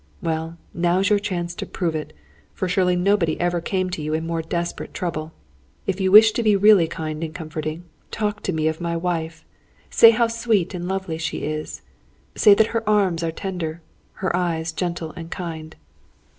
Well, now's your chance to prove it; for surely nobody ever came to you in more desperate trouble. If you wish to be really kind and comforting, talk to me of my wife. Say how sweet and lovely she is. Say that her arms are tender, her eyes gentle and kind.